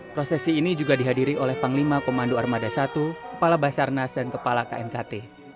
prosesi ini juga dihadiri oleh panglima komando armada satu kepala basarnas dan kepala knkt